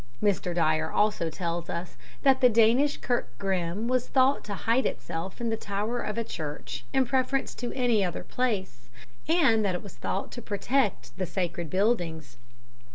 Mr. Dyer also tells us that the Danish kirk grim was thought to hide itself in the tower of a church in preference to any other place, and that it was thought to protect the sacred buildings.